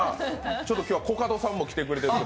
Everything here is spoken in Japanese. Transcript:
ちょっと今日はコカドさんも来てくれてます。